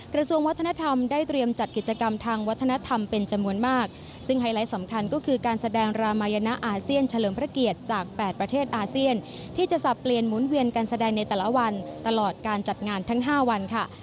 กระทรวงวัฒนธรรมได้เตรียมจัดกิจกรรมทางวัฒนธรรมเป็นจำนวนมากซึ่งไฮไลท์สำคัญก็คือการแสดงรามายนะอาเซียนเฉลิมพระเกียรติจาก๘ประเทศอาเซียนที่จะสับเปลี่ยนหมุนเวียนการแสดงในแต่ละวันตลอดการจัดงานทั้ง๕วันค่ะ